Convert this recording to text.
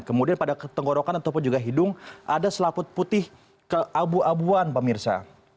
kemudian pada tenggorokan ataupun juga hidung ada selaput putih keabu abuan pemirsa